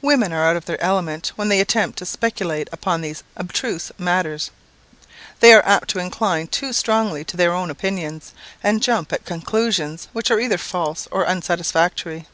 Women are out of their element when they attempt to speculate upon these abstruse matters are apt to incline too strongly to their own opinions and jump at conclusions which are either false or unsatisfactory.